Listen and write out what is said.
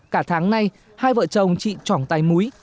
cả tháng nay hai vợ chồng chị trỏng tay múi